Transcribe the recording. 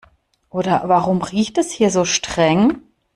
Oder warum riecht es hier so streng?